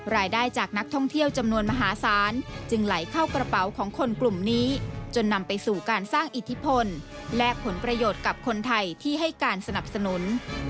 รายได้จากนักท่องเที่ยวจำนวนมหาศาลจึงไหลเข้ากระเป๋าของคนกลุ่มนี้จนนำไปสู่การสร้างอิทธิพลและผลประโยชน์กับคนไทยที่ให้การสนับสนุน